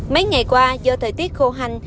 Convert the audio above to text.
mấy ngày qua do thời tiết khô hành